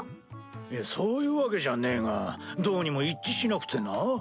いやそういうわけじゃねえがどうにも一致しなくてな。